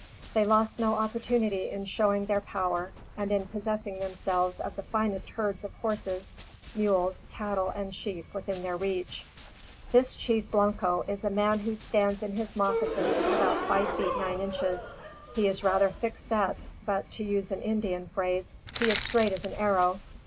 They lost no opportunity in showing their power and in possessing themselves of the finest herds of horses, mules, cattle and sheep within their reach. This Chief Blanco is a man who stands in his moccasins about five feet nine inches. He is rather thickset but, to use an Indian phrase, he is straight as an arrow.